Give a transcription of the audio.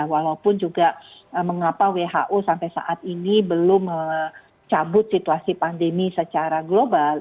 walaupun juga mengapa who sampai saat ini belum mencabut situasi pandemi secara global